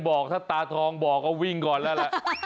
บอกถ้าตาทองบอกก็วิ่งก่อนแล้วล่ะ